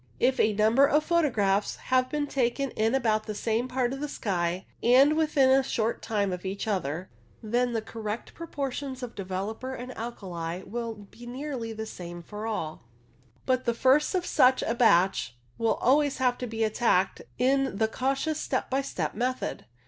If a number of photographs have CONCLUSION 179 been taken in about the same part of the sky, and within a short time of each other, then the correct proportions of developer and alkali will be nearly the same for all, but the first of such a batch will always have to be attacked in the cautious step by step method.